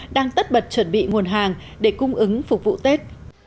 đang tất bật chuẩn bị nguồn hàng để cung ứng phục vụ tết